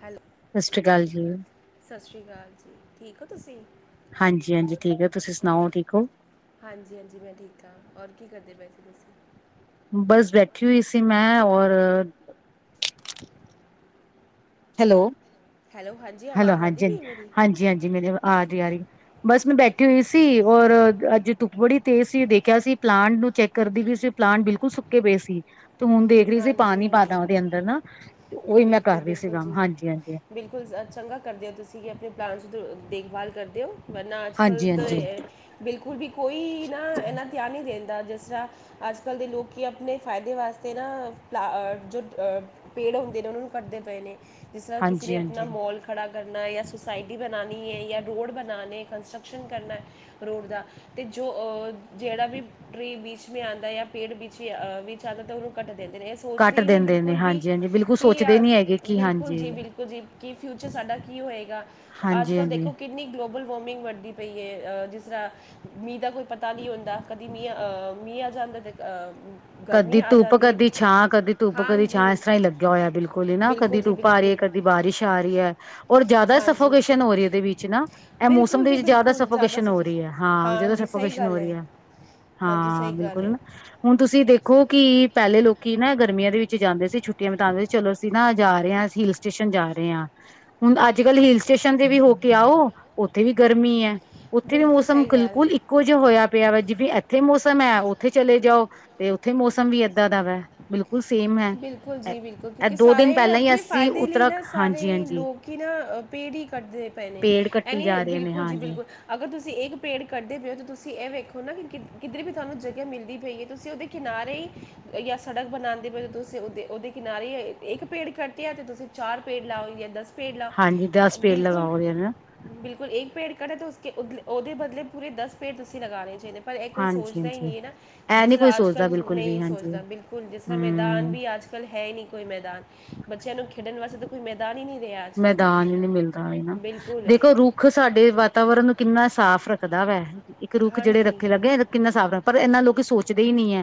Hello- ਸਤਿ ਸ਼੍ਰੀ ਅਕਾਲ ਜੀ- ਸਤਿ ਸ਼੍ਰੀ ਅਕਾਲ ਜੀ ਠੀਕ ਹੋ ਤੁਸੀ। ਹਾਂਜੀ -ਹਾਂਜੀ ਠੀਕ ਆ ਤੁਸੀ ਸੁਣਾਓ ਠੀਕ ਹੋ, ਹਾਂਜੀ- ਹਾਂਜੀ ਮੈਂ ਠੀਕ ਹਾਂ ਔਰ ਕੀ ਕਰਦੇ ਪਏ ਸੀ, ਤੁਸੀਂ ਬਸ ਬੈਠੀ ਹੋਈ ਸੀ ਮੈ ਔਰ- ਹੈਲੋ ਹੈਲੋ ਹਾਂਜੀ -ਹੈਲੋ ਆਵਾਜ਼ ਆਉਂਦੀ ਹਾਂਜੀ, ਪਈ ਮੇਰੀ ਹਾਂਜੀ- ਹਾਂਜੀ ਮੇਰੇ- ਹਾਂਜੀ ਆ ਰਹੀ ਬਸ ਮੈਂ ਬੈਠੀ ਹੋਈ ਸੀ ਔਰ ਅਜ ਤੁੁੱਪ ਬੜੀ, ਤੇ ਸੀ ਦੇਖਿਆ ਸੀ ਪਲਾਂਟ ਨੂੰ ਚੈਕ ਕਰਦੀ ਪਈ ਸੀ ਪਲਾਂਟ ਬਿਲਕੁਲ ਸੁੱਕੇ ਪਏ ਸੀ। ਫੋਨ ਦੇਖ ਰਹੀ ਸੀ ਹਾਂਜੀ ਪਾਣੀ ਪਾਤਾ ਉਹਦੇ ਅੰਦਰ ਹਾਂਜੀ ਨਾ, ਤੇ ਉਹੀ ਮੈਂ ਬਿਲਕੁਲ- ਕਰ ਰਹੀ ਸੀ ਬਿਲਕੁਲ ਕੰਮ ਜੀ- ਹਾਂਜੀ ਹਾਂਜੀ ਬਿਲਕੁਲ ਚੰਗਾ ਕਰਦੇ ਹੋ ਤੁਸੀਂ ਕਿ ਆਪਣੇ ਪਲਾਂਟਸ ਦੀ ਦੇਖਭਾਲ ਕਰਦੇ ਹੋ ਵਰਨਾ ਅੱਜ ਹਾਂਜੀ ਕੱਲ੍ਹ ਤਾਂ ਹਾਂਜੀ ਬਿਲਕੁਲ ਵੀ ਕੋਈ ਨਾ ਇੰਨਾ ਧਿਆਨ ਨਹੀਂ ਦਿੰਦਾ ਜਿਸ ਤਰ੍ਹਾਂ ਅੱਜ ਕੱਲ ਦੇ ਲੋਕੀ ਆਪਣੇ ਫਾਇਦੇ ਵਾਸਤੇ ਨਾ ਪਲਾਂਟ ਜੋਪੇੜ ਹੁੰਦੇ, ਦਿਨ ਨੂੰ ਵੀਕੱਢਦੇ ਪਏ ਨੇ ਜਿਸ ਤਰ੍ਹਾਂ ਕਿਸੇ ਹਾਂਜੀ ਨੇ ਆਪਣਾ ਹਾਂਜੀ ਮੋਲ ਖੜਾ ਕਰਨਾ ਜਾਂ ਸੋਸਾਇਟੀ ਬਣਾਉਣੀ ਹੈ, ਜਾਂ ਰੋੜ ਬਣਾਉਣਾ ਕੰਸਟਰਕਸ਼ਨ ਕਰਨਾ ਰੋੜ ਦਾ, ਤੇ ਜੋ ਜਿਹੜਾ ਵੀ, ਟ੍ਰੀ ਬੀਚ ਮੇਂ ਆਂਦਾ ਜਾਂ ਪੇੜ ਵਿੱਚ ਆਂਦਾ ਤਾਂ ਉਹਨੂੰ ਕੱਟ ਦਿੰਦੇ ਨੇ ਇਹ ਸੋਚਦੇ ਹੀ ਨਹੀਂ ਬਿਲਕੁਲ ਵੀ। ਅ ਬਿਲਕੁਲ ਕਿ ਸੋਚ ਬਿਲਕੁਲ ਜੀ ਬਿਲਕੁਲ ੋ ਜੀ ਕਿ ਫਿਊਚਰ ਸਾਡਾ ਕੀ ਹੋਏਗਾ, ਅੱਜ ਹਾਂਜੀ ਕੱਲ ਹਾਂਜੀ ਦੇਖੋ ਕਿੰਨੀ ਗਲੋਬਲ ਵਾਰਮਿੰਗ ਵੱਧਦੀ, ਪਈਏ ਅ ਜਿਸ ਤਰ੍ਹਾਂ, ਮੀਹ ਦਾ ਕੋਈ ਪਤਾ ਨਹੀਂੀ ਹੁੰਦਾ ਕਦੀ ਮੀਹ ਅਹ ਮੀਹ ਆ ਜਾਂਦਾ ਤੇ ਅਹ, ਗਰਮੀ ਕਦੀ ਆ ਧੁੱਪ, ਜਾਂਦੀ ਕਦੀ ਹੈ ਛਾਂ, ਕਦੀ ਧੁੱਪ ਕਦੀ ਛਾਂ, ਹਾਂਜੀ ਇਸ ਤਰ੍ਹਾਂ ਹੀ ਲੱਗਿਆ ਹੋਇਆ ਬਿਲਕੁਲ ਹੀ ਨਾ, ਬਿਲਕੁਲ ਕਦੀ ਜੀ ਧੁੱਪ ਆ ਰਹੀ ਹੈ, ਬਿਲਕੁਲ ਕਦੀ ਬਾਰਿਸ਼ ਆ ਰਹੀ ਹੈ ਔਰ ਜ਼ਿਆਦਾ ਹਾਂਜੀ ਸਫੋਕੇਸ਼ਨ ਹੋ ਰਹੀ ਇਹਦੇ ਵਿੱਚ ਨਾ, ਇਹ ਮੌਸਮ ਬਿਲਕੁਲ ਦੇ ਜੀ ਵਿੱਚ ਜ਼ਿਆਦਾ ਬਿਲਕੁਲ ਸਫੋਕੇਸ਼ਨ ਹੋ ਸਫੀ ਰਹੀ ਹੈ, ਹਾਂ ਜਿਆਦਾ ਜੀ ਸਹੀ ਸਫੋਕੇਸ਼ਨ ਹੋ ਗੱਲ ਰਹੀ ਹੈ। ਜੀ ਸਹੀ ਹਾਂ ਗੱਲ ਬਿਲਕੁਲ ਹੈ ਨਾ ਹੁਣ ਤੁਸੀਂ ਦੇਖੋ, ਦੇਖੋ ਕਿ ਪਹਿਲੇ ਲੋਕੀ ਨਾ ਗਰਮੀਆਂ ਦੇ ਵਿੱਚ ਜਾਂਦੇ ਸੀ। ਛੁੱਟੀਆਂ ਬਿਤਾਉਂਦੇ ਸੀ, ਚਲੋ ਅਸੀਂ ਨਾ ਜਾ ਰਹੇ ਹਾਂ ਹਿਲ, ਸਟੇਸ਼ਨ ਜਾਂਦੇ ਹਾ, ਹੁਣ ਅੱਜ ਕੱਲ੍ਹ ਹਿਲ ਸਟੇਸ਼ਨ ਤੇ ਵੀ ਹੋ ਕੇ ਆਓ ਉੱਥੇ ਵੀ ਗਰਮੀ ਹੈ। ਉੱਥੇ ਵੀ ਬਿਲਕੁਲ ਮੌਸਮ ਸਹੀ ਗੱਲ ਹੈ ਬਿੱਲਕੁਲ ਹੀ, ਕੁੱਝ ਹੋਇਆ ਪਿਆ ਵਾ ਜੀਵੇ ਇੱਥੇ ਮੌਸਮ ਹੈ, ਉੱਥੇ ਚਲੇ ਜਾਓ ਤੇ ਉੱਥੇ ਮੌਸਮ ਵੀ ੲੈਦਾ ਦਾ ਵਾ, ਬਿਲਕੁੱਲ ਜੀ ਬਿਲਕੁੱਲ ਇਹ ਕਿਉਂਕਿ ਦੋ ਦਿਨ ਸਾਰੇ ਪਹਿਲਾਂ ਹੀ ਆਪਣੇ ਅਸੀਂ ਫਾਇਦੇ ਲਈ ਉਤਰਾ ਨਾ ਸਾਰੇ ਹਾਂਜੀ ਹਾਂਜੀ ਲੋਕੀ ਹੀ ਨਾ ਪੇੜ ਹੀ ਕੱਟਦੇ ਪਏ ਨੇ ਪੇੜ ਇਹ ਕੱਟੀ ਨਹੀ ਆ ਜਾ ਰਹੇ ਨੇ ਬਿਲਕੁਲ ਜੀ ਹਾਂਜੀ। ਬਿਲਕੁਲ, ਅਗਰ ਤੁਸੀਂ ਇੱਕ ਪੇਡ ਕਟਦੇ ਪਏ ਹੋ ਤੇ ਤੁਸੀਂ ਇਹ ਵੇਖੋ ਨਾ, ਕਿ ਕਿਧਰੇ ਵੀ ਤੁਹਾਨੂੰ ਜਗਹਾ ਮਿਲਦੀ ਪਈ ਏ ਤੁਸੀਂ ਉਹਦੇ, ਕਿਨਾਰੇ ਯਾ ਸੜਕ ਬਣਾਂਦੇ [unintelligible] ਤੁਸੀਂ ਉਦੇ, ਉਹਦੇ ਕਿਨਾਰੇ ਇੱਕ ਪੇਡ ਕਟਿਆ ਤਾਂ ਤੁਸੀਂ ਚਾਰ ਪੇਡ ਲਾਓਗੇ, ਦਸ। ਫੇਰ ਲਾ, ਹਾਂਜੀ ਦਸ ਪੇੜ ਬਿਲਕੁਲ। ਲਗਾਓ ਰਹੇ ਨਾ ਬਿਲਕੁਲ, ਇੱਕ ਪੇਡ ਕਟਾ ਤੇ ਉਸ, ਉਹਦੇ ਬਦਲੇ ਪੂਰੇ ਦਸ ਪੇਡ ਤੁਸੀਂ ਲਗਾਣੇ ਚਾਹੀਦੇ। ਪਰ ਇਹ ਕੋਈ ਹਾਂਜੀ ਸੋਚਦਾ ਹੀ ਹਾਂਜੀ ਨਹੀਂ ਹੈ ਨਾ, ਇਹ ਜਿਸ ਨੀ ਕੋਈ ਤਰ੍ਹਾਂ ਅੱਜ ਕੱਲ ਸੋਚਦਾ ਬਿਲਕੁਲ ਨਹੀਂ ਵੀ ਹਾਂਜੀ ਸੋਚਦਾ, ਬਿਲਕੁਲ ਜਿਸ ਤਰ੍ਹਾਂ ਮੇਰੇ ਹਮ ਅੱਜ ਕੱਲ੍ਹ ਹੈ ਹੀ ਨਹੀਂ ਕੋਈ ਮੈਦਾਨ, ਬੱਚਿਆਂ ਨੂੰ ਖੇਡਣ ਵਾਸਤੇ ਤਾਂ। ਕੋਈ ਮੈਦਾਨ ਹੀ ਨਹੀਂ ਰਿਹਾ। ਅੱਜ ਮੈਦਾਨ ਹੀ ਨਹੀਂ ਮਿਲਦਾ ਹੈਣਾ, ਕੱਲ੍ਹ। ਬਿਲਕੁਲ ਦੇਖੋ ਰੂਪ। ਰੁੱਖ ਸਾਡੇ ਵਾਤਾਵਰਨ ਨੂੰ ਕਿੰਨਾ ਸਾਫ਼ ਰੱਖਦਾ ਵੈ, ਇੱਕ ਰੁੱਖ ਜਿਹੜੇ ਹਾਂਜੀ ਰੱਖੇ ਲੱਗੇ। ਕਿੰਨਾ ਸਾਵ [unintelligible] ਰ ਪਰ ਇਨਾ ਲੋਕ ਸੋਚਦੇ ਹੀ ਨਹੀਂ ਐ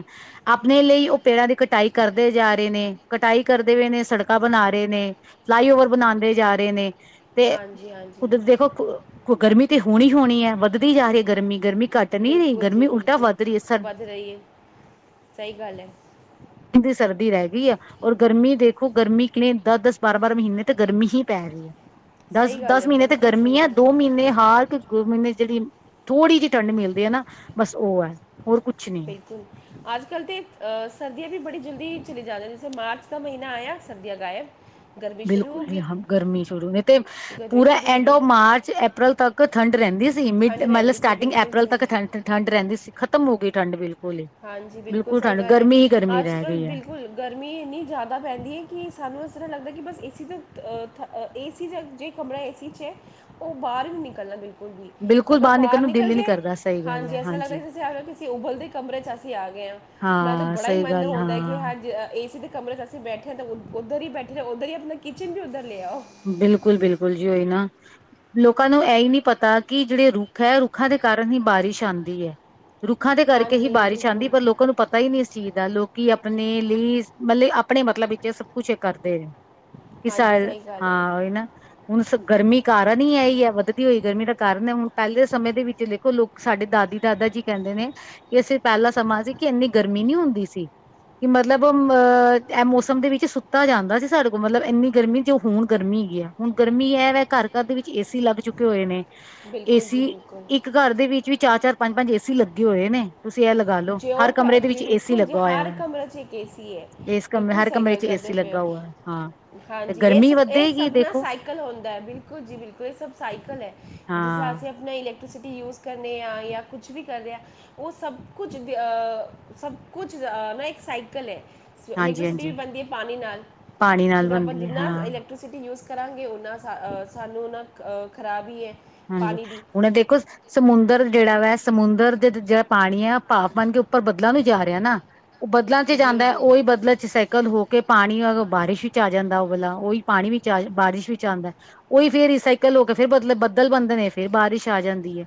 ਆਪਣੇ ਲਈ ਉਹ ਪੇੜਾਂ ਦੀ ਕਟਾਈ ਕਰਦੇ ਜਾ ਰਹੇ ਨੇ, ਕਟਾਈ ਕਰਦੇ ਹੋਏ ਨੇ, ਸੜਕਾਂ ਬਣਾ ਰਹੇ ਨੇ। ਫਲਾਈਓਵਰ ਬਣਾਉਂਦੇ ਜਾ ਰਹੇ ਨੇ। ਹਾਂਜੀ, ਹਾਂ। ਕੁਦਰ ਦੇ [unintelligible] ਗਰਮੀ ਤੇ ਹੋਣੀ ਹੋਣੀ ਹੈ, ਵੱਧਦੀ ਜਾ ਰਹੀ ਹੈ ਗਰਮੀ, ਗਰਮੀ ਘੱਟ ਨਹੀਂ ਰਹੀ, ਗਰਮੀ ਉਲਟਾ ਵੱਧ ਰਹੀ ਹੈ ਸ [unintelligible] ਰਈ [unintelligible] ਸਹੀ ਗੱਲ ਏ। [unintelligible] ਸਰਦੀ ਰਹਿ ਗਈ ਐ। ਔਰ ਗਰਮੀ ਦੇਖੋ, ਗਰਮੀ ਕਿਵੇਂ ਦਸ-ਦਸ, ਬਾਰਾਂ-ਬਾਰਾਂ ਮਹੀਨੇ ਤੇ ਗਰਮੀ ਹੀ ਪੈ ਰਹੀ ਹੈ। ਸਹੀ ਗੱਲ ਦਸ-ਦਸ ਹੈ ਮਹੀਨੇ ਤੇ ਬਿਲਕੁਲ ਸਹੀ ਗਰਮੀ ਹੈ ਗੱਲ ਦੋ ਮਹੀਨੇ ਹਾਰ। ਦੋ ਮਹੀਨੇ ਜਿਹੜੀ, ਥੋੜ੍ਹੀ ਜਿਹੀ ਠੰਡ ਮਿਲਦੀ ਐ ਨਾ, ਬਸ ਉਹ ਹੈ, ਹੋਰ ਕੁਛ ਨਹੀਂ। ਅੱਜ ਕੱਲ ਤੇ ਸਰਦੀਆਂ ਵੀ ਬੜੀ ਜਲਦੀ ਹੀ ਚਲੀ ਜਾ [unintelligible] ਮਾਰਚ ਦਾ ਮਹੀਨਾ ਆਇਆ [unintelligible] ਸੰਧਿਆ ਗਾਇਬ। ਗਰਮੀ ਸ਼ੁਰੂ ਹੋ ਬਿਲਕੁਲ ਜੀ, ਗਈ ਹਾਂ ਗਰਮੀ ਸ਼ੁਰੂ, ਨਹੀਂ ਤੇ। ਗਰਮੀ ਪੂਰਾ ਸ਼ੁਰੂ ਹੋ ਐਂਡ ਗਈ ਓ ਮਾਰਚ ਐਪਰਲ ਤੱਕ ਠੰਡ ਰਹਿੰਦੀ ਸੀ ਮਿਡ ਠੰਡ ਮਤਲਬ ਰਹਿੰਦੀ ਸੀ ਸਟਾਰਟਿੰਗ ਬਿਲਕੁਲ ਐਪਰਲ ਸਹੀ ਤੱਕ ਹੈ ਠੰਡ। ਠੰਡ ਰਹਿੰਦੀ, ਖਤਮ ਹੋ ਗਈ ਠੰਢ ਬਿਲ। ਹਾਂਜੀ, ਬਿਲਕੁਲ ਸਹੀ ਗੱਲ ਏ, ਗਰਮੀ ਅੱਜ ਰਹਿ ਕੱਲ੍ਹ ਗਈ ਹੈ ਬਿਲਕੁਲ। ਗਰਮੀ ਇੰਨੀ ਜ਼ਿਆਦਾ ਪੈਂਦੀ ਹੈ ਕਿ ਸਾਨੂੰ ਇਸ ਤਰ੍ਹਾਂ ਲੱਗਦਾ ਕਿ ਬਸ ਏਸੀ ਤੋਂ [unintelligible] ਏਸੀ ਜਏ, ਜ ਕਮਰਾ ਏ ਸੀ ਇਚ, ਉਹ ਬਾਹਰ ਨਹੀਂ ਨਿਕਲਣਾ ਬਿਲਕੁਲ। ਬਿਲਕੁਲ ਅਗਰ ਨਿਕਲਣ ਬਾਹਰ ਨੂੰ ਦਿਲ ਨਿਕਲ ਹੀ ਨੀ ਗਏ, ਕਰਦਾ ਸਹੀ ਗੱਲ ਹਾਂਜੀ ਹੈ ਐਸਾ ਲਗਦਾ ਜੇ ਅ ਕਿਸੇ ਉਬਲਦੇ। [unintelligible] ਅਸੀਂ ਆ ਗਏ ਹਾਂ, ਮੈਂ ਤਾਂ ਹਾਂ ਬੜਾ ਹੀ ਸਹੀ ਮਨ ਗੱਲ ਹੁੰਦਾ ਹੈ ਕਿ ਹਾਂ ਹ [unintelligible] ਏ ਸੀ ਦੇ ਕਮਰੇ 'ਚ ਅਸੀਂ ਬੈਠੇ ਹਾਂ ਤਾਂ ਉੱਧਰ ਹੀ ਬੈਠੇ, ਉੱਧਰ ਹੀ, ਆਪਣਾ ਕਿਚਨ ਵੀ ਉੱਧਰ ਲੈ ਆਓ। ਬਿਲਕੁਲ ਬਿਲਕੁਲ ਜੀ, ਓਈ ਨਾ। ਲੋਕਾਂ ਨੂੰ ਇਹ ਹੀ ਨਹੀਂ ਪਤਾ ਕਿ ਜਿਹੜੇ ਰੁੱਖ ਹੈ, ਰੁੱਖਾਂ ਦੇ ਕਾਰਨ ਹੀ ਬਾਰਿਸ਼ ਆਉਂਦੀ ਹੈ। ਰੁੱਖਾਂ ਦੇ ਕਰਕੇ ਹੀ ਹਾਂਜੀ ਬਾਰਿਸ਼ ਆਉਂਦੀ ਏ ਬਿਲਕੁਲ ਪਰ ਲੋਕਾਂ ਨੂੰ ਪਤਾ ਹੀ ਨਹੀਂ ਇਸ ਚੀਜ਼ ਦਾ, ਲੋਕੀ ਆਪਣੇ ਲਈ, [unintelligible] ਆਪਣੇ ਮਤਲਬ ਵਿੱਚ ਇਹ ਸਭ ਕੁਛ ਕਰਦੇ ਨੇ ਕਿਸ ਹਾਂਜੀ ਅਲ, ਸਹੀ ਗੱਲ ਹੈ ਹਾਂ ਉਇ ਨਾ। ਹੁਣ ਸ ਗਰਮੀ ਕਾਰਨ ਹੀ ਇਹ ਹੀ ਹੈ, ਵਧਦੀ ਹੋਈ ਗਰਮੀ ਦਾ ਕਾਰਨ, ਹੁਣ ਪਹਿਲੇ ਦੇ ਸਮੇਂ ਦੇ ਵਿੱਚ ਦੇਖੋ ਲੋਕ। ਸਾਡੇ ਦਾਦੀ ਦਾਦਾ ਜੀ ਕਹਿੰਦੇ ਨੇ ਕਿ ਅਸੀਂ ਪਹਿਲਾ ਸਮਾਂ ਸੀ ਕਿ ਇੰਨੀ ਗਰਮੀ ਨੀ ਹੁੰਦੀ ਸੀ। ਕਿ ਮਤਲਬ ਅਹ ਇਹ ਮੌਸਮ ਦੇ ਵਿੱਚ ਸੁੱਤਾ ਜਾਂਦਾ ਸੀ ਸਾਡੇ ਕੋਲ, ਮਤਲਬ ਇੰਨੀ ਗਰਮੀ। ਤੇ ਹੁਣ ਗਰਮੀ ਹੈਗੀ ਏ, ਹੁਣ ਗਰਮੀ ਇਹ ਵ ਘਰ ਘਰ ਦੇ ਵਿੱਚ ਏ ਸੀ ਲੱਗ ਚੁੱਕੇ ਹੋਏ ਨੇ। ਏ ਬਿਲਕੁਲ ਜੀ ਸੀ, ਬਿਲਕੁਲ ਇੱਕ ਘਰ ਦੇ ਵਿੱਚ ਵੀ ਚਾਰ-ਚਾਰ, ਪੰਜ-ਪੰਜ ਏ ਸੀ ਲੱਗੇ ਹੋਏ ਨੇ। ਤੁਸੀਂ ਇਹ ਲਗਾ ਲੋ, ਜੇ ਉਹ ਹਰ ਕ- ਕਮਰੇ ਦੇ ਜੀ ਵਿੱਚ ਏ ਸੀ ਬਿਲਕੁਲ ਜੀ ਲੱਗਾ ਹੋਇਆ ਹਰ ਵੈ, ਕਮਰੇ 'ਚ ਇੱਕ ਏਸੀ ਹੈ ਇਸ। ਬਿਲਕੁਲ ਹਰ ਸਹੀ ਕਮਰੇ ਗੱਲ ਵਿੱਚ ਏ ਸੀ ਕਰਦੇ ਪਏ ਲੱਗਾ ਹੋ ਹੋਆ, ਹਾਂ ਤੇ ਹਾਂਜੀ, ਇਹ, ਗਰਮੀ ਇਹ ਵੱਧੇਗੀ ਸਭ ਨਾ ਦੇਖੋ ਸਾਈਕਲ ਹੁੰਦਾ ਹੈ, ਬਿਲਕੁਲ ਜੀ, ਬਿਲਕੁਲ, ਇਹ ਸਭ ਸਾਈਕਲ ਹੈ ਜਿਸ ਤਰ੍ਹਾਂ ਹਾਂ ਅਸੀਂ। ਆਪਣਾ ਇਲੈਕਟ੍ਰੀਸਿਟੀ ਯੂਜ ਕਰਦੇ ਹਾਂ ਜਾਂ ਕੁਛ ਵੀ ਕਰਦੇ ਹਾਂ ਉਹ ਸਭ ਕੁਛ ਆ ਸਭ ਕੁਛ ਆ ਮ ਇੱਕ ਸਾਈਕਲ ਹੈ ਸ ਹਾਂਜੀ ਇਲੈਕਟ੍ਰੀਸਿਟੀ ਵੀ ਹਾਂਜੀ ਬਣਦੀ ਹੈ ਪਾਣੀ ਨਾਲ ਪਾਣੀ ਨਾਲ ਜਦੋਂ ਆਪਾਂ ਬਣਦੀ ਹੈ ਜਿੰਨਾ ਹਾਂ ਇਲੈਕ ਐਕਟ੍ਰੀਸਿਟੀ ਯੂਜ ਕਰਾਂਗੇ ਉਹਨਾਂ ਸ ਸਾਨੂੰ ਉਹਨਾਂ ਖਰਾਬ ਹੀ ਹੈ ਹਾਂਜੀ ਪਾਣੀ ਦੀ ਹੁਣ ਦੇਖੋ ਸਮੁੰਦਰ ਜਿਹੜਾ ਵਾ ਸਮੁੰਦਰ ਦੇ ਜਿਹੜਾ ਪਾਣੀ ਹੈ ਭਾਪ ਬਨ ਕੇ ਉੱਪਰ ਬਦਲਣ ਨੂੰ ਜਾ ਰਿਹਾ ਨਾ ਉਹ ਬਦਲਾਂ ਚ ਜੀ ਜੀ ਜਾਂਦਾ ਹੈ ਉਹੀ ਬਦਲ ਚ ਸ ਕਲ ਹੋ ਕੇ ਪਾਣੀ ਬਾਰਿਸ਼ ਵਿੱਚ ਆ ਜਾਂਦਾ ਉਹ ਵਾਲਲਾ ਉਹੀ ਪਾਣੀ ਵਿੱਚ ਆ ਬਾਰਿਸ਼ ਵਿੱਚ ਆਉਂਦਾ ਉਹੀ ਫੇਿਰ ਰੀਸਾਈਕਲ ਹੋ ਕੇ ਫਿਰ ਬਦਲ ਬੱਦਲ ਬੰਦੇ ਨੇ ਫੇਰ ਬਾਰਿਸ਼ ਆ ਜਾਂਦੀ ਹੈ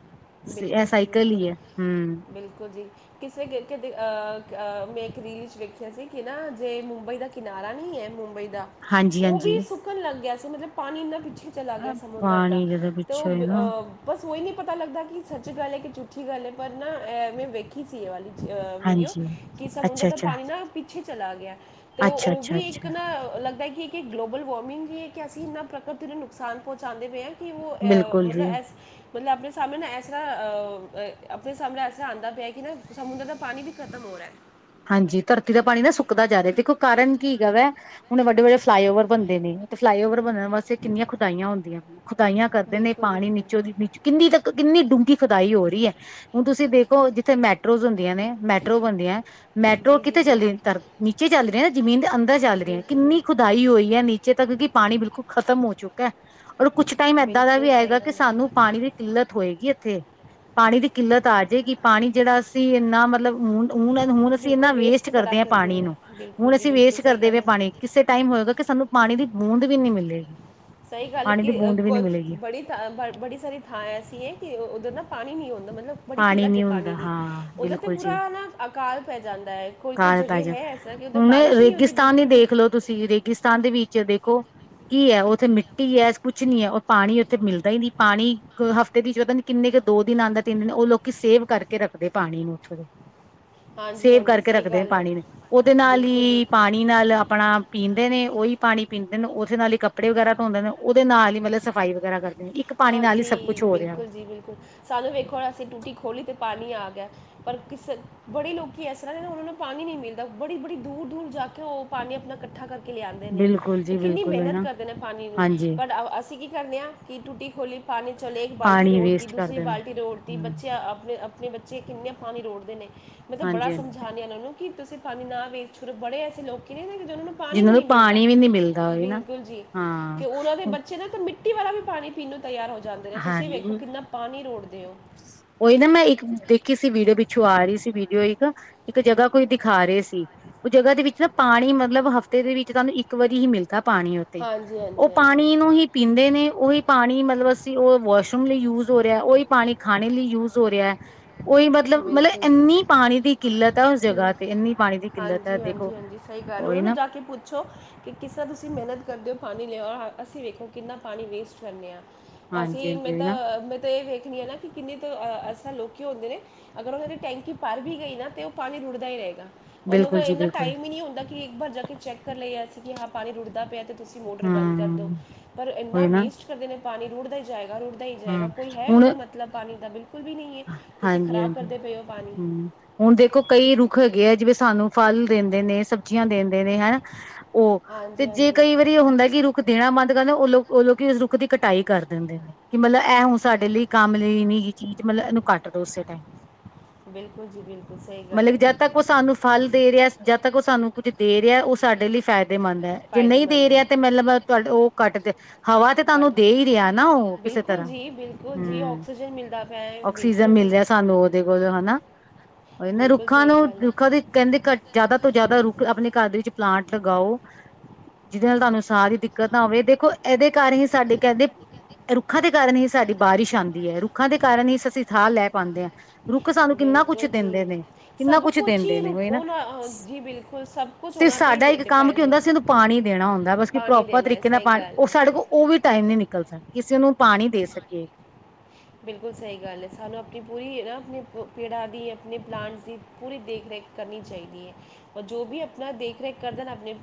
ਇਹ ਬਿਲਕੁਲ ਜੀ ਸਾਈਕਲ ਬਿਲਕੁਲ ਹੀ ਹੈ ਹਮ ਬਿਲਕੁਲ ਜੀ ਕਿਸੇ ਅਹ ਮੈਂ ਇੱਕ ਰੀਲ ਚ ਵੇਖਿਆ ਸੀ ਕਿ ਨਾ ਜੇ ਮੁੰਬਈ ਦਾ ਕਿਨਾਰਾ ਨਹੀਂ ਹੈ ਮੁੰਬਈ ਦਾ ਹਾਂਜੀ ਉਹ ਵੀ ਹਾਂਜੀ ਸੁੱਕਣ ਲੱਗ ਗਿਆ ਸੀ ਮਤਲਬ ਪਾਣੀ ਇਨਾ ਪਿੱਛੇ ਚਲਾ ਗਿਆ ਸਮੁੰਦਰ ਦਾ ਪਾਣੀ ਜਦੋਂ ਅਤੇ ਪਿੱਛੋਂ ਨਾ ਉਹ ਬਸ ਉਹੀ ਨਹੀਂ ਪਤਾ ਲੱਗਦਾ ਕਿ ਸੱਚ ਗੱਲ ਹੈ ਕਿ ਝੂਠੀ ਗੱਲ ਹੈ ਪਰ ਨਾ ਮੈਂ ਵੇਖੀ ਸੀ ਇਹ ਵਾਲੀ ਵੀਡੀਓ ਹਾਂਜੀ ਕਿ ਸਮੁੰਦਰ ਅੱਛਾ ਦਾ ਅੱਛਾ ਪਾਣੀ ਨਾ ਪਿੱਛੇ ਚਲਾ ਗਿਆ ਤੇ ਅੱਛਾ ਉਹ ਅੱਛਾ ਵੀ ਇੱਕ ਅੱਛਾ ਨਾ ਲੱਗਦਾ ਕਿ ਕਿ ਗਲੋਬਲ ਵਾਰਮਿੰਗ ਵੀ ਹੈ ਕਿ ਅਸੀਂ ਇਹਨਾਂ ਪ੍ਰਕਿਰਤੀ ਨੂੰ ਨੁਕਸਾਨ ਪਹੁੰਚਾਉਦੇ ਪੇ ਹਾਂ ਕਿ ਉਹ ਬਿਲਕੁਲ ਮਤਲਬ ਜੀ ਐ ਮਤਲਬ ਆਪਣੇ ਸਮਣੇ ਨਾ ਐਸਾ ਇਸ ਤ੍ਹਾਂ ਆਪਣੇ ਸਾਹਮਣੇ ਐਸਰ ਆਉਂਦਾ ਪਿਆ ਕਿ ਨਾ ਸਮੁੰਦਰ ਦਾ ਪਾਣੀ ਵੀ ਖਤਮ ਹੋ ਰਿਹਾ ਹੈ ਹਾਂਜੀ ਧਰਤੀ ਦਾ ਪਾਣੀ ਨਾ ਸੁੱਕਦਾ ਜਾ ਰਿਹਾ ਦੇਖੋ ਕਾਰਨ ਕੀ ਹੈਗਾ ਵਾ ਹੁਣ ਵੱਡੇ ਵੱਡੇ ਫਲਾਈਓਵਰ ਬਣਦੇ ਨੇ ਤੇ ਫਲਾਈਓਵਰ ਬਣਨ ਵਾਸਤੇ ਕਿੰਨੀਆਂ ਖੁਦਾਈਆਂ ਹੁੰਦੀਆਂ ਨੇ ਖੁਦਾਈਆਂ ਕਰਦੇ ਨੇ ਬਿਲਕੁਲ ਪਾਣੀ ਬਿਲਕੁਲ ਨੀਚੋਂ ਦੀ ਨੀਚ ਕਿੰਨੀ ਤੱਕ ਕਿੰਨੀ ਡੂੰਘੀ ਖੁਦਾਈ ਹੋ ਰਹੀ ਹੈ ਹੁਣ ਤੁਸੀਂ ਦੇਖੋ ਜਿੱਥੇ ਮੈਟਰੋਜ਼ ਹੁੰਦੀਆਂ ਨੇ ਮੈਟਰੋ ਬਣਦੀਆਂ ਮੈਟਰੋ ਜੀ ਜੀ ਕਿਤੇ ਜੀ ਚੱਲ ਜੀ ਨੀਚੇ ਚੱਲ ਰਹੇ ਨਾ ਜ਼ਮੀਨ ਦੇ ਅੰਦਰ ਚੱਲ ਬਿਲਕੁਲ ਰਹੀ ਹੈ ਬਿਲਕੁਲ ਕਿੰਨੀ ਖੁਦ ਧਾਈ ਹੋਈ ਹੈ ਨੀਚੇ ਤਾਂ ਕਿਉਂਕਿ ਪਾਣੀ ਬਿਲਕੁਲ ਖ਼ਤਮ ਹੋ ਚੁੱਕਾ ਹੈ ਔਰ ਕੁੱਛ ਟਾਈਮ ਇਏਦਾਂ ਦਾ ਬਿਲਕੁਲ ਵੀ ਸਹੀ ਹੈਏਗਾ ਕਿ ਗੱਲ ਹੈ ਸਾਨੂੰ ਪਾਣੀ ਦੇ ਕਿੱਲਤ ਹੋਏਗੀ ਇੱਥੇ ਪਾਣੀ ਦੀ ਕਿੱਲਤ ਆ ਜਾਏਗੀ ਪਾਣੀ ਜਿਹੜਾ ਅਸੀਂ ਇੰਨਾ ਮਤਲਬ ਹੁਣ ਹੁਣ ਹੁਣ ਅਸੀਂ ਬਿਲਕੁਲ ਇਹਨਾ ਵੇਸਟ ਬੜਾ ਕਰਦੇ ਹਾਂ ਪਾਣੀ ਹੈ ਨੂੰ ਬਿਲਕੁਲ ਹੁਣ ਜੀ ਅਸੀਂ ਬਿਲਕੁਲ ਵੇਸਟ ਸਹੀ ਕਰਦੇ ਗੱਲ ਪਏ ਹੈ ਪਾਣੀ ਕਿਸੇ ਟਾਈਮ ਹੋਏਗਾ ਕਿ ਸਾਨੂੰ ਪਾਣੀ ਦੀ ਬੂੰਦ ਵੀ ਨਹੀਂ ਮਿਲੇਗੀ ਸਹੀ ਗੱਲ ਹੈ ਪਾਣੀ ਦੀ ਕਿ ਬੂੰਦ ਵੀ ਕੋਈ ਨਹੀਂ ਮਿਲੇਗੀ ਬੜੀ ਬੜੀ ਸਾਰੀ ਥਾਂ ਐਸੀ ਹੈ ਕਿ ਉੱਧਰ ਨਾ ਪਾਣੀ ਨਹੀਂ ਆਉਦਾ ਮਤਲਬ ਬੜੀ ਕਿੱਲਤ ਹੈ ਨੀ ਪਾਣੀ ਹੁੰਦਾ ਦੀ ਹਾਂ ਉੱਧਰ ਤੇ ਬਿਲਕੁਲ ਪੂਰਾ ਜੀ ਹੈ ਨਾ ਅਕਾਲ ਪੈ ਜਾਂਦਾ ਹੈ ਕੋਈ ਕੋਈ ਕਾਲ ਪੈ ਜਗ੍ਹਾ ਜਾ ਹੈ ਤਾਂ ਕਿ ਉੱਧਰ ਹੁਣ ਬਾਰਿਸ਼ ਨਹੀਂ ਹੁੰਦੀ ਰੇਗਿਸਤਾਨ ਹੀ ਬਿਲਕੁਲ ਵੀ। ਦੇਖ ਲਓ ਤੁਸੀਂ ਰੇਗਿਸਤਾਨ ਦੇ ਵਿੱਚ ਦੇਖੋ ਕੀ ਹੈ ਉੱਥੇ ਮਿੱਟੀ ਕੀ ਐ ਕੁਛ ਨੀ ਐ ਉਹ ਪਾਣੀ ਉੱਥੇ ਮਿਲਦਾ ਹੀ ਨੀ, ਪਾਣੀ ਹਫ਼ਤੇ ਦੇ ਵਿੱਚ ਪਤਾ ਨੀ ਕਿੰਨੇ ਕੁ ਦੋ ਦਿਨ ਆਉਂਦਾ ਤਿੰਨ, ਉਹ ਲੋਕੀ ਸੇਵ ਕਰਕੇ ਰੱਖਦੇ ਪਾਣੀ ਨੂੰ ਉੱਥੋਂ ਦੇ। ਹਾਂਜੀ ਸੇਵ ਹਾਂਜੀ ਕਰਕੇ ਸਹੀ ਰੱਖਦੇ ਨੇ ਗੱਲ ਹੈ ਪਾਣੀ ਨੂੰ, ਉਹਦੇ ਨਾਲ ਹੀ ਬਿਲਕੁਲ ਪਾਣੀ ਬਿਲਕੁਲ ਪਾਣੀ ਨਾਲ ਆਪਣਾ ਪੀਂਦੇ ਨੇ ਉਹੀ ਪਾਣੀ ਪੀਂਦੇ ਨੇ, ਉਸਦੇ ਨਾਲ ਹੀ ਕੱਪੜੇ ਵਗੈਰਾ ਧੋਂਦੇ ਨੇ। ਉਹਦੇ ਨਾਲ ਹੀ ਮਤਲਬ ਸਫ਼ਾਈ ਵਗੈਰਾ ਕਰਦੇ ਨੇ ਇੱਕ ਪਾਣੀ ਨਾਲ ਹੀ ਸਭ ਹਾਂਜੀ ਕੁਛ ਹੋ ਰਿਹਾ ਬਿਲਕੁਲ ਜੀ ਬਿਲਕੁਲ, ਸਾਨੂੰ ਵੇਖੋ ਅਸੀਂ ਟੂਟੀ ਖੋਲੀ ਤੇ ਪਾਣੀ ਆ ਗਿਆ। ਪਰ ਕਿਸੇ ਬੜੇ ਲੋਕੀ ਇਸ ਤਰ੍ਹਾਂ ਨੇ ਉਨਾਂ ਨੂੰ ਪਾਣੀ ਨਹੀਂ ਮਿਲਦਾ, ਬੜੀ ਬੜੀ ਦੂਰ ਦੂਰ ਜਾ ਕੇ ਉਹ ਪਾਣੀ ਆਪਣਾ ਇਕੱਠਾ ਕਰਕੇ ਲਿਆਦੇ ਨੇ ਬਿਲਕੁਲ ਤੇ ਜੀ ਕਿੰਨੀ ਬਿਲਕੁਲ ਮਿਹਨਤ ਹਨਾ ਕਰਦੇ ਨੇ ਪਾਣੀ ਨੂੰ, ਹਾਂਜੀ ਪਰ ਅਸੀਂ ਕੀ ਕਰਦੇ ਹਾਂ ਕਿ ਟੂਟੀ ਖੋਲੀ ਪਾਣੀ ਚਲੇ ਇੱਕ ਬਾਲਟੀ ਪਾਣੀ ਰੋੜਤੀ, ਵੇਸਟ ਦੂਸਰੀ ਕਰਦੇ ਨੇ ਬਾਲਟੀ ਰੋੜਤੀ ਹਮ ਬੱਚੇ ਆਪਣੇ ਆਪਣੇ ਬੱਚੇ ਬੱਚੇ ਕਿੰਨਾ ਪਾਣੀ ਰੋੜਦੇ ਨੇ, ਮੈਂ ਤੇ ਬੜਾ ਹਾਂਜੀ ਹਾਂਜੀ ਸਮਝਾਣੀ ਉਹਨਾਂ ਨੂੰ ਕਿ ਤੁਸੀ ਪਾਨੀ ਨਾ ਵੇਸਟ ਕਰੋ, ਬੜੇ ਐਸੇ ਲੋਕੀ ਨੇ ਨਾ ਜਿੰਨਾਂ ਨੂੰ ਪਾਨੀ ਜਿਹਨਾਂ ਵੀ ਨੀ ਮਿਲਦਾ, ਪਾਣੀ ਵੀ ਨੀ ਮਿਲਦਾ ਹੋਵੇ ਨਾ ਬਿਲਕੁਲ ਜੀ, ਕੇ ਉਨਾਂ ਦੇ ਹਾਂ ਬੱਚੇ ਨਾ ਤਾਂ ਮਿੱਟੀ ਮਿੱਟੀ ਵਾਲਾ ਵੀ ਪਾਣੀ ਪੀਣ ਨੂੰ ਤਿਆਰ ਹੋ ਜਾਂਦੇ ਨੇ, ਤੁਸੀਂ ਹਾਂਜੀ ਵੇਖੋ ਕਿੰਨਾ ਪਾਨੀ ਰੋੜਦੇ ਓ। ਔਈ ਨਾ ਮੈਂ ਇੱਕ ਦੇਖੀ ਸੀ ਵੀਡੀਓ, ਪਿੱਛੋਂ ਆ ਰੀ ਸੀ ਵੀਡੀਓ ਇੱਕ ਇੱਕ ਜਗ੍ਹਾ ਕੋਈ ਦਿਖਾ ਰੇ ਸੀ। ਔ ਜਗ੍ਹਾ ਦੇ ਵਿੱਚ ਨਾ ਪਾਣੀ ਮਤਲਬ ਹਫ਼ਤੇ ਦੇ ਵਿੱਚ ਤਾਨੂੰ ਇੱਕ ਵਾਰੀ ਹੀ ਮਿਲਦਾ ਪਾਣੀ ਹਾਂਜੀ ਔ ਹਾਂਜੀ ਹਾਂਜੀ ਪਾਣੀ ਨੂੰ ਹੀ ਪੀਂਦੇ ਨੇ, ਉਹੀ ਪਾਣੀ ਮਤਲਬ ਤੇ ਔ ਵਾਸ਼ਰੂਮ ਲਈ ਯੂਜ ਹੋ ਰਿਆ, ਓਈ ਪਾਣੀ ਖਾਣੇ ਲਈ ਯੂਜ ਹੋ ਰਿਆ ਏ। ਔਈ ਉਹ ਮਤਲਬ, ਮਤਲਬ ਬਿਲਕੁਲ ਏਨੀ ਜੀ ਪਾਣੀ ਦੀ ਕਿੱਲਤ ਆ ਉਸ ਜਗ੍ਹਾ ਤੇ, ਏਨੀ ਪਾਣੀ ਦੀ ਤੇ ਕਿੱਲਤ ਐ ਹਾਂਜੀ ਦੇਖੋ। ਹਾਂਜੀ, ਹਾਂਜੀ ਸਹੀ ਗੱਲ, ਓ ਉਹੀ ਨੂੰ ਨਾ ਜਾ ਕੇ ਪੁੱਛੋ ਕਿਸ ਤਰ੍ਹਾਂ ਤੁਸੀਂ ਮਿਹਨਤ ਕਰਦੇ ਓ ਪਾਣੀ ਲੈ ਆਓ ਅਸੀਂ ਵੇਖੋ ਕਿੰਨਾ ਪਾਣੀ ਵੇਸਟ ਕਰਨੇ ਆ। ਹਾਂਜੀ ਅਸੀਂ ਮੈਂ ਹਾਂਜੀ ਉਹੀ ਨਾ ਤਾਂ ਮੈਂ ਤਾਂ ਏ ਵੇਖਣੀ ਆ ਨਾ ਕਿ ਕਿੰਨੇ ਕੁ ਐਸੇ ਲੋਕੀ ਹੁੰਦੇ ਨੇ ਅਗਰ ਓਨਾਂ ਦੀ ਟੈਂਕੀ ਭਰ ਵੀ ਗਈ ਨਾ ਤੇ ਓ ਪਾਣੀ ਰੁੜਦਾ ਹੀ ਰਏਗਾ, ਓਨਾਂ ਕੋਲ ਬਿਲਕੁਲ ਜੀ ਇੰਨਾ ਬਿਲਕੁਲ ਟਾਈਮ ਹੀ ਨੀ ਹੁੰਦਾ ਕਿ ਕਿ ਇੱਕ ਵਾਰ ਜਾ ਕੇ ਚੈੱਕ ਕਰ ਲਈਏ ਅਸੀਂ ਕਿ ਹਾਂ ਪਾਣੀ ਰੁੜਦਾ ਪਿਆ ਤੇ ਤੁਸੀ ਮੋਟਰ ਬੰਦ ਕਰਦੋ, ਹਮ ਪਰ ਏਨਾ ਉਹੀ ਨਾ ਵੇਸਟ ਕਰਦੇ ਨੇ ਪਾਣੀ ਰੁੜਦਾ ਈ ਜਾਏਗਾ ਰੁੜਦਾ ਰੁੜਦਾ ਹੀ ਜਾਏਗਾ, ਹਮ ਕੋਈ ਹੈ ਹੁਣ ਏਦਾ ਮਤਲਬ ਪਾਣੀ ਦਾ ਬਿਲਕੁਲ ਵੀ ਨਈ ਐ, ਤੁਸੀਂ ਹਾਂਜੀ ਖ਼ਰਾਬ ਹਾਂਜੀ ਕਰਦੇ ਪਏ ਔ ਪਾਣੀ। ਹੂੰ, ਹੁਣ ਦੇਖੋ ਕਈ ਰੁੱਖ ਹੈਗੇ ਐ ਜਿਵੇਂ ਸਾਨੂੰ ਫਲ ਦੇਂਦੇ ਨੇ, ਸਬਜ਼ੀਆਂ ਦੇਂਦੇ ਨੇ, ਹੈਨਾ ਓ ਤੇ ਹਾਂਜੀ ਜੇ ਹਾਂਜੀ ਕਈ ਵਾਰੀ ਏ ਹੁੰਦਾ ਕਿ ਰੁੱਖ ਦੇਣਾ ਬੰਦ ਕਰ ਦੇਣ ਓ ਲੋਕੀ ਉਸ ਰੁੱਖ ਦੀ ਕਟਾਈ ਕਰ ਦਿੰਦੇ ਨੇ ਕਿ ਮਤਲਬ ਐ ਹੁਣ ਸਾਡੇ ਲਈ ਕੰਮ ਲੀ ਨੀਹ ਚੀਜ਼, ਮਤਲ ਇਨੂੰ ਕੱਟ ਦੋ ਉਸੇ ਟਾਈਮ। ਬਿਲਕੁਲ ਜੀ ਬਿਲਕੁਲ, ਸਈ ਗੱਲ ਮਤਲਬ ਐ। ਜਦ ਤੱਕ ਉਹ ਸਾਨੂੰ ਫਲ ਦੇ ਰਿਆ, ਜਦ ਤੱਕ ਓ ਸਾਨੂੰ ਕੁੱਝ ਦੇ ਰਿਆ ਓ ਸਾਡੇ ਲਈ ਫਾਇ ਫਾੲਇਦੇਮੰਦ ਐ, ਜੇ ਨਈ ਦੇ ਫਾਇਦੇਮੰਦ ਰਿਆ ਤੇ ਮਤਲਬ ਤੁਹਾਡ ਓ ਕੱਟ ਹਵਾ ਤੇ ਤਾਨੂੰ ਦੇ ਹੀ ਰਿਆ ਨਾ ਔ ਕਿਸੇ ਤਰ੍ਹਾਂ, ਹੁੰ। ਭੋਜਨ ਮਿਲਦਾ ਪਿਆ ਹੈ ਓਕਸੀਜਨ ਬਿਲਕੁਲ ਜੀ ਮਿਲ ਰਿਆ ਸਾਨੂੰ ਔਦੇ ਕੋਲ ਹਨਾ, ਓਈ ਨਾ ਬਿਲਕੁਲ ਰੁੱਖਾਂ ਸਹੀ ਨੂੰ ਗੱਲ ਹੈ ਰੁੱਖਾਂ ਦੇ ਕੈਂਦੇ ਘਟ ਜ਼ਿਆਦਾ ਤੋਂ ਜ਼ਿਆਦਾ ਰੁੱਖ ਆਪਣੇ ਘਰ ਦੇ ਵਿੱਚ ਪਲਾਂਟ ਲਗਾਓ। ਜਿਦੇ ਨਾਲ ਤਾਨੂੰ ਸਾਹ ਦੀ ਦਿੱਕਤ ਨਾ ਆਵੇ ਦੇਖੋ, ਇਦੇ ਕਾਰ ਹੀ ਸਾਡੇ ਕਹਿੰਦੇ ਰੁੱਖਾਂ ਦੇ ਕਾਰਨ ਹੀ ਸਾਡੀ ਬਾਰਿਸ਼ ਆਂਦੀ ਐ, ਰੁੱਖਾਂ ਦੇ ਕਾਰਨ ਹੀ ਅਸੀਂ ਥਾ ਲੈ ਪਾਂਦੇ ਆਂ। ਰੁੱਖ ਸਾਨੂੰ ਕਿੰਨਾ ਕੁਛ ਬਿਲਕੁਲ ਜੀ ਦਿੰਦੇ ਨੇ, ਕਿੰਨਾ ਸਭ ਕੁਛ ਕੁਝ ਦਿੰਦੇ ਹੀ ਨੇ ਰੁਕ- ਵੇ ਨਾ। ਉਹਨਾਂ ਅਹ, ਜੀ ਬਿਲਕੁਲ ਸਭ ਕੁਝ ਤੇ ਉਹਨਾਂ ਸਾਡਾ ਹੀ ਇੱਕ ਕੰਮ ਕੀ ਡਿਪੈਂਡ ਹੈ ਹੁੰਦਾ ਸੀ ਉਨੂੰ ਪਾਣੀ ਦੇਣਾ ਹੁੰਦਾ, ਬਸ ਕਿ ਪਾਣੀ ਪ੍ਰੋਪਰ ਦੇਣਾ ਹੈ ਤਰੀਕੇ ਨਾਲ ਸਹੀ ਪਾਣੀ ਗੱਲ ਓ ਹੈ ਸਾਡੇ ਕੋਲ ਓ ਵੀ ਟਾਈਮ ਨੀ ਨਿਕਲਦਾ, ਕਿ ਅਸੀਂ ਉਨੂੰ ਪਾਣੀ ਦੇ ਸਕੀਏ। ਬਿਲਕੁਲ ਸਈ ਗੱਲ ਏ, ਸਾਨੂੰ ਆਪਣੀ ਪੂਰੀ ਨਾ ਆਪਣੇ ਪੇੜਾਂ ਦੀ, ਆਪਣੇ ਪਲਾਂਟਸ ਦੀ ਪੂਰੀ ਦੇਖ ਰੇਖ ਕਰਨੀ ਚਾਈਦੀ ਏ, ਔਰ ਜੋ ਵੀ ਆਪਾਂ ਦੇਖ ਰੇਖ ਕਰਦੇ ਨਾ ਆਪਣੇ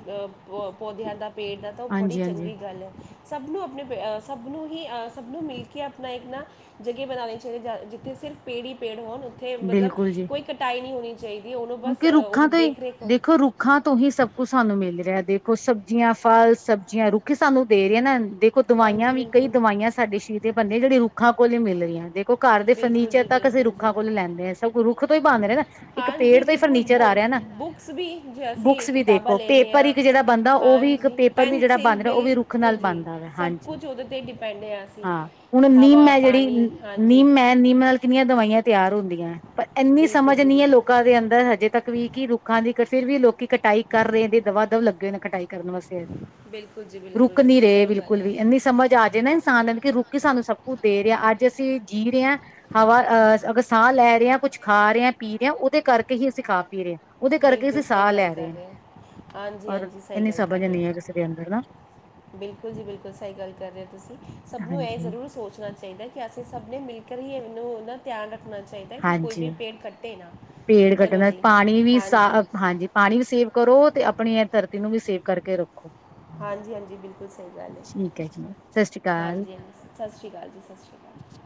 ਪੌਧਿਆਂ ਦਾ, ਪੇੜ ਦਾ ਤਾਂ ਓ ਬੜੀ ਹਾਂਜੀ ਹਾਂਜੀ ਚੰਗੀ ਗੱਲ ਐ। ਸਭ ਨੂੰ ਆਪਣੇ ਪ ਸਭ ਨੂੰ ਹੀ ਸਭ ਨੂੰ ਮਿਲ ਕੇ ਆਪਣਾ ਇੱਕ ਨਾ ਜਗੇ ਬਣਾਉਣੇ ਚਾਈਦੀ ਜਿੱਥੇ ਸਿਰਫ ਪੇੜ ਹੀ ਪੇੜ ਹੋਣ, ਉਥੇ ਮਤਲਬ ਬਿਲਕੁਲ ਜੀ ਕੋਈ ਕਟਾਈ ਨਈ ਹੋਣੀ ਚਾਈਦੀ ਐ ਉਨੂੰ ਬਸ ਕਿਉਂਕਿ ਉਦੀ ਰੁੱਖਾਂ ਤੋਂ ਹੀ ਦੇਖ ਰੇਖ ਦੇਖੋ ਰੁੱਖਾਂ ਤੋਂ ਹੀ ਸਭ ਕੁਝ ਸਾਨੂੰ ਮਿਲ ਰੇਆ ਦੇਖੋ ਸਬਜ਼ੀਆਂ, ਫਲ ਸਬਜ਼ੀਆਂ ਰੁੱਖ ਈ ਸਾਨੂੰ ਦੇ ਰੇ ਨਾ ਦੇ ਦੇਖੋ ਦਵਾਈਆਂ ਹਾਂਜੀ ਵੀ ਕਈ ਬਿਲਕੁਲ ਦਵਾਈਆਂ ਸਾਡੇ ਸਰੀਰ ਦੇ ਬਣਦੇ ਜਿਹੜੀ ਰੁੱਖਾਂ ਕੋਲ ਈ ਮਿਲ ਰੀਆਂ ਦੇਖ ਘਰ ਦੇ ਬਿਲਕੁਲ ਫਰਨੀਚਰ ਜੀ ਤੱਕ ਅਸੀਂ ਬਿਲਕੁਲ ਜੀ ਰੁੱਖਾਂ ਕੋਲੋ ਲੈਂਦੇ ਆਂ ਸਭ ਕੁ ਰੁੱਖ ਤੋਂ ਈ ਬਨ ਰੇ ਨਾ ਇੱਕ ਹਾਂਜੀ ਪੇੜ ਤੋਂ ਈ ਬਿਲਕੁਲ ਫਰਨੀਚਰ ਆ ਰੇਆ ਨਾ ਬੁੱਕਸ ਵੀ ਜੇ ਅਸੀਂ ਬੁੱਕਸ ਵੀ ਕਿਤਾਬਾਂ ਦੇਖੋ ਲੈਨੇ ਪੇਪਰ ਆ ਇੱਕ ਜੇੜਾ ਬਨਦਾ ਓ ਵੀ ਇੱਕ ਪੇਪ ਹਾਂਜੀ ਪੇਪਰ ਵੀ ਜਿਹੜਾ ਪੈਨਸਿਲ ਬਣ ਰੇਆ ਓ ਵੀ ਰੁੱਖ ਬਿਲਕੁਲ ਨਾਲ ਜੀ ਬਣਦਾ ਵਾ ਸਭ ਹਾਂਜੀ, ਕੁਝ ਉਹਦੇ ਤੇ ਡਿਪੈਂਡ ਆ ਅਸੀਂ ਹਾਂ। ਹੁਣ ਨਿੰਮ ਹਵਾ ਐ ਜੇੜੀ ਪਾਣੀ ਹਾਂਜੀ ਨਿੰਮ ਐ ਨਿੱਮ ਨਾਲ ਕਿੰਨੀਆਂ ਦਵਾਈਆਂ ਤਿਆਰ ਹੁੰਦੀਐ ਪਰ ਇੰਨੀ ਬਿਲਕੁਲ ਸਮਝ ਜੀ ਨੀ ਹੈ ਲੋਕ ਬਿਲਕੁਲ ਦੇ ਅੰਦਰ ਹਜੇ ਤੱਕ ਵੀ ਕਿ ਰੁੱਖਾਂ ਦੀ ਫਿਰ ਵੀ ਲੋਕੀ ਕਟਾਈ ਕਰ ਰਹੇ ਨੇ ਦਵਾ ਦਵ ਲੱਗੇ ਹੋਏ ਨੇ ਕਟਾਈ, ਕਰਨ ਵਸੇ,,,,, ਬਿਲਕੁਲ ਜੀ ਬਿਲਕੁਲ ਰੁਕ ਨੀ ਬਿਲਕੁਲ ਰਹੇ ਸਹੀ ਗੱਲ ਬਿਲਕੁਲ ਵੀ ਹੈ ਇੰਨੀ ਸਮਝ ਆ ਜ,, ਜ ਨਾ ਇਨਸਾਨ ਕਿ ਰੁੱਖ ਸਾਨੂੰ ਸਭ ਕੁਛ ਦੇ ਰਿਹਾ ਅੱਜ ਅਸੀਂ ਜੀ ਰਹੇ ਹਾਂ! ਹਵਾ ਅਹ ਅਗਰ ਸਾਹ ਲੈ ਰਹੇ ਹੈ ਕੁਛ ਖਾ ਰਹਾ ਹੈ ਪੀ ਰਿਹਾਾਂ ਉਹਦੇ ਕਰਕੇ ਹੀ ਅਸੀਂ ਖਾ ਪੀ ਰਹੇ ਹਾਂ! ਉਹਦੇ ਕਰਕੇ ਬਿਲਕੁਲ ਅਸੀਂ ਸਹੀ ਸਾਹ ਗੱਲ ਲੈ ਰਹੇ ਕਰ ਹੈ,,,,, ਹੋ ਹਾਂਜੀ ਪਰ ਹਾਂਜੀ ਸਹੀ ਇੰਨੀ ਗੱਲ ਕਰ ਸਮਝ ਰਹੇ ਨਹੀਂ ਹੋ ਹੈ ਕਿਸੇ ਦੇ ਅੰਦਰ ਨਾ! ਬਿਲਕੁਲ ਜੀ ਬਿਲਕੁਲ ਸਹੀ ਗੱਲ ਕਰ ਰਹੇ ਹੋ ਤੁਸੀਂ ਸਭ ਨੂੰ ਇਹ ਹਾਂਜੀ ਜ਼ਰੂਰ ਸੋਚਣਾ ਚਾਹੀਦਾ! ਕਿ ਅਸੀਂ ਸਭ ਨੇ ਮਿਲ ਕਰ ਹੀ ਇਹਨੂੰ ਧਿਆਨ ਰੱਖਣਾ ਚਾ! ਹਾਂਜੀ,,,,, ਪੇੜ ਚਲੋ ਕੱਟਣਾ ਜੀ ਪਾਣੀ ਵੀ ਸਾ,, ਹਾਂਜੀ ਹਾਂਜੀ ਪਾਣੀ ਵੀ ਸੇਵ ਕਰੋ ਤੇ ਆਪਣੀ ਇਹ ਧਰਤੀ ਨੂੰ ਵੀ ਸੇਵ ਕਰਕੇ ਰੱਖੋ! ਹਾਂਜੀ ਹਾਂਜੀ ਬਿਲਕੁਲ ਸਹੀ ਗੱਲ ਠੀਕ ਹੈ ਜੀ ਸਤਿ ਸ੍ਰੀ ਐ,,,,, ਅਕਾਲ ਹਾਂਜੀ ਹਾਂ ਸਤਿ ਸ਼੍ਰੀ ਅਕਾਲ ਜੀ ਸਤਿ ਸ਼੍ਰੀ ਅਕਾਲ, [inaudible]